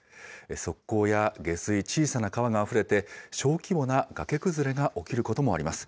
側溝や下水、小さな川があふれて、小規模な崖崩れが起きることもあります。